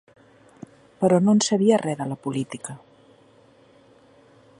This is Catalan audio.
Però no'n sabia res de la política